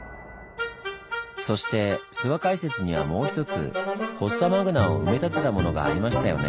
そして諏訪解説にはもう一つフォッサマグナを埋め立てたものがありましたよね？